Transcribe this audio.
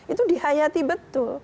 itu dihayati betul